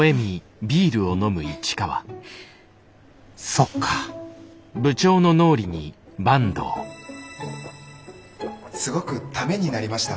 そっかすごくためになりました。